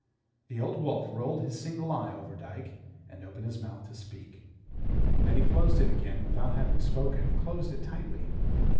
The Old Wolf rolled his single eye over Dyke, and opened his mouth to speak. Then he closed it again without having spoken; closed it tightly.